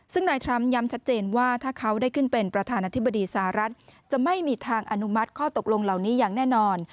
ซึ่งนายทรัมป์ย้ำชัดเจนว่าถ้าเขาได้ขึ้นเป็นประธานาธิบดีสหรัฐจะไม่มีทางอนุมัติข้อตกลงเหล่านี้อย่างแน่นอน